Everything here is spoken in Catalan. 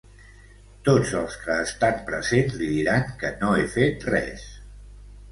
Tots els que estan presents li diran que no he fet res.